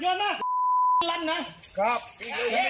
ตอนนี้ตำรวจกลุ่มข้าวหน้าไม่ได้